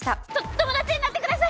友達になってください！